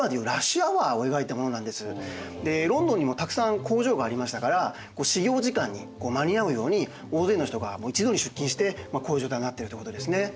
でロンドンにもたくさん工場がありましたから始業時間に間に合うように大勢の人が一度に出勤してまあこういう状態になってるっていうことですね。